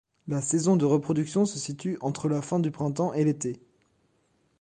La saison de reproduction se situe entre la fin du printemps et l'été.